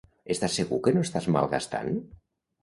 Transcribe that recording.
Estàs segur que no estàs malgastant?